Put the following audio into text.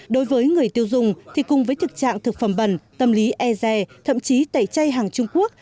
đối với người tiêu dùng thì cùng với thực trạng thực phẩm bẩn tâm lý e rè thậm chí tẩy chay hàng trung quốc